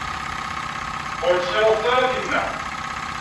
Ur ttxalaḍet ara tinna.